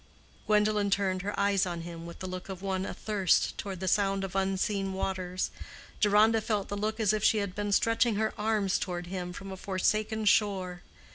Gwendolen turned her eyes on him with the look of one athirst toward the sound of unseen waters. Deronda felt the look as if she had been stretching her arms toward him from a forsaken shore.